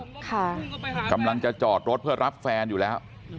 บริษัทนะครับค่ะกำลังจะจอดรถเพื่อรับแฟนอยู่แล้ว